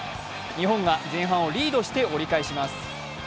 日本が前半をリードして折り返します。